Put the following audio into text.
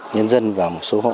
nhân dân và một số hộ